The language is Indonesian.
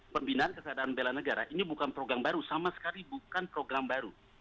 pembinaan kesadaran bela negara ini bukan program baru sama sekali bukan program baru